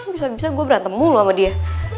bisa bisa gue berantem loh sama dia